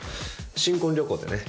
新婚旅行でね。